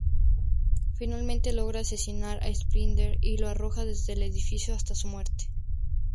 Finalmente logra asesinar a Splinter y lo arroja desde el edificio hasta su muerte.